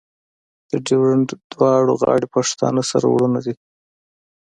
د ډیورنډ دواړه غاړې پښتانه سره ورونه دي.